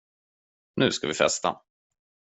Nu ska vi festa!